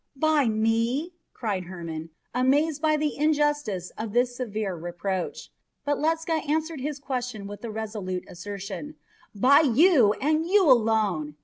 "By me?" cried Hermon, amazed by the injustice of this severe reproach; but Ledscha answered his question with the resolute assertion, "By you and you alone!"